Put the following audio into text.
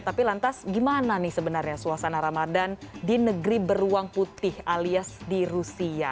tapi lantas gimana nih sebenarnya suasana ramadan di negeri beruang putih alias di rusia